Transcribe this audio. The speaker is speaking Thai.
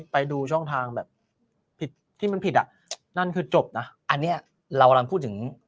ไปดูช่องทางแบบผิดที่มันผิดอ่ะนั่นคือจบนะอันนี้เรากำลังพูดถึง